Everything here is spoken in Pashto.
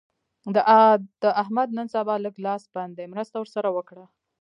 د احمد نن سبا لږ لاس بند دی؛ مرسته ور سره وکړه.